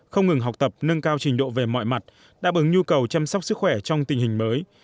không ngừng học tập nâng cao trình độ về mọi mặt đáp ứng nhu cầu chăm sóc sức khỏe trong tình hình mới